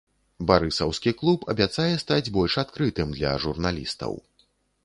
Барысаўскі клуб абяцае стаць больш адкрытым для журналістаў.